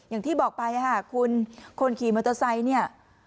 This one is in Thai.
อย่างที่บอกไปค่ะคุณคนขี่มอเตอร์ไซค์เนี่ย